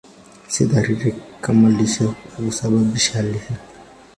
Si dhahiri kama lishe husababisha hali hii.